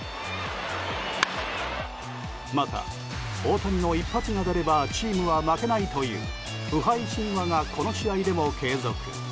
また、大谷の一発が出ればチームは負けないという不敗神話がこの試合でも継続。